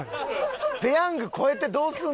ペヤング超えてどうすんねん！